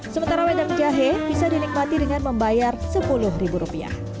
sementara bedang jahe bisa dinikmati dengan membayar rp sepuluh